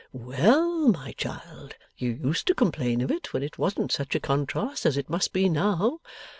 'Well, my child, you used to complain of it when it wasn't such a contrast as it must be now.